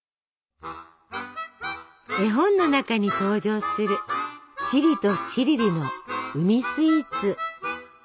絵本の中に登場するチリとチリリの海スイーツ！